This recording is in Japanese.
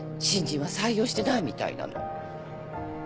新人は採用してないみたいなの。